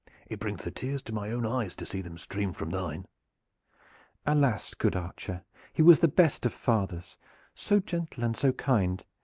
"It brings the tears to my own eyes to see them stream from thine." "Alas! good archer, he was the best of fathers, so gentle and so kind!